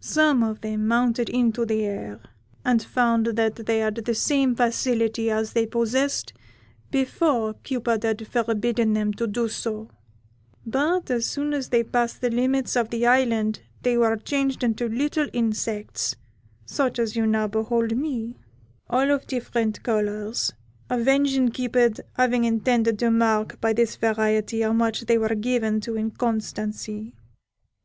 Some of them mounted into the air, and found that they had the same facility as they possessed before Cupid had forbidden them to do so; but as soon as they passed the limits of the Island they were changed into little insects, such as you now behold me, all of different colours, avenging Cupid having intended to mark by this variety how much they were given to inconstancy.